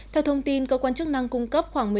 theo thông tin cơ quan chức năng cung cấp khoảng